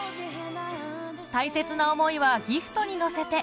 大切な思いはギフトに乗せて